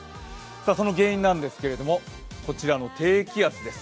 その原因なんですけど、こちらの低気圧です。